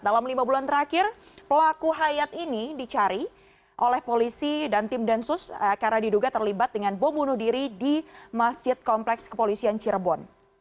dalam lima bulan terakhir pelaku hayat ini dicari oleh polisi dan tim densus karena diduga terlibat dengan bom bunuh diri di masjid kompleks kepolisian cirebon